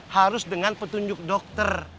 harus dengan petunjuk dokter